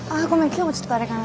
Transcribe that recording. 今日もちょっとあれかな。